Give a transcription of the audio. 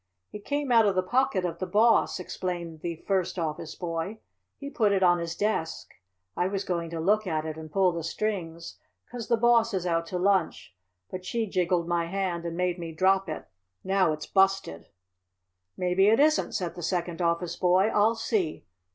"It came out of the pocket of the Boss," explained the first office boy. "He put it on his desk. I was going to look at it and pull the strings, 'cause the Boss is out to lunch, but she jiggled my hand and made me drop it. Now it's busted." "Maybe it isn't," said the second office boy. "I'll see."